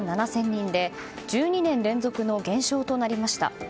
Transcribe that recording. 人で１２年連続の減少となりました。